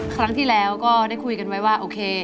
ครั้งที่แล้วก็ได้คุยกันไว้ว่าโอเค